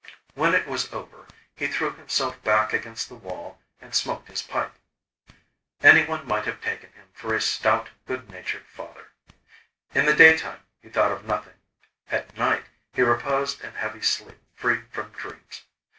When it was over, he threw himself back against the wall and smoked his pipe. Anyone might have taken him for a stout, good natured father. In the daytime, he thought of nothing; at night, he reposed in heavy sleep free from dreams.